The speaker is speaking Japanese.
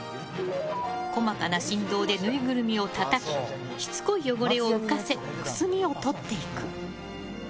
細かな振動でぬいぐるみをたたきしつこい汚れを浮かせくすみを取っていく。